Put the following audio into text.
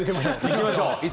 行きましょう。